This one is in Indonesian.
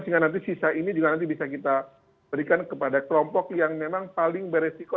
sehingga nanti sisa ini juga nanti bisa kita berikan kepada kelompok yang memang paling beresiko